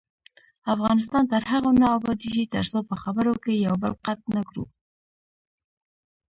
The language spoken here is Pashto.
افغانستان تر هغو نه ابادیږي، ترڅو په خبرو کې یو بل قطع نکړو.